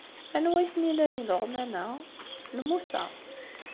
Anwa ay ten-ilan yileɣman-a? N Musa.